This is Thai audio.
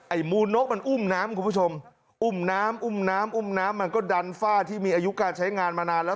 ไอ้มูลนกมันอุ้มน้ำอุ้มน้ำมันก็ดันฝ้าที่มีอายุการใช้งานมานาน